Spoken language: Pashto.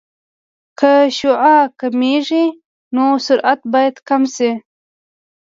که شعاع کمېږي نو سرعت باید کم شي